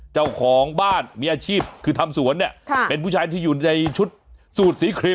เจ้าของบ้านมีอาชีพคือทำสวนเนี่ยเป็นผู้ชายที่อยู่ในชุดสูตรสีครีม